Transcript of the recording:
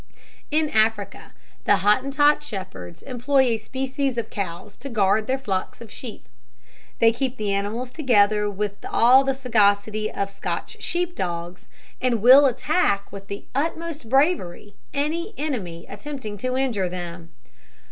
In Africa, the Hottentot shepherds employ a species of cow to guard their flocks of sheep. They keep the animals together with all the sagacity of Scotch sheep dogs, and will attack with the utmost bravery any enemy attempting to injure them.